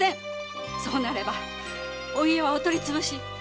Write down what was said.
「そうなればお家はお取りつぶし。